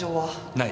ない。